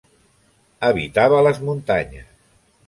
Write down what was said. Habitava les muntanyes.